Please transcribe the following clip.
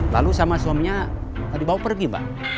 lalu sama suaminya dibawa pergi mbak